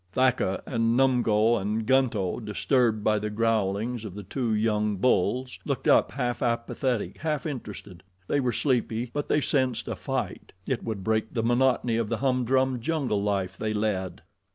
Thaka and Numgo and Gunto, disturbed by the growlings of the two young bulls, looked up half apathetic, half interested. They were sleepy, but they sensed a fight. It would break the monotony of the humdrum jungle life they led.